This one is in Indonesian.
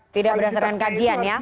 tidak berdasarkan kajian ya